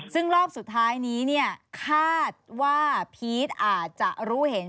ซึ่งรอบสุดท้ายนี้คาดว่าพีชอาจจะรู้เห็น